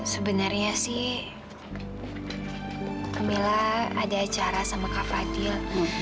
sebenarnya sih alhamdulillah ada acara sama kak fadil